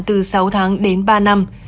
từ sáu tháng đến ba năm